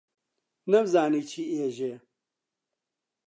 نەمزانی چی ئێژێ،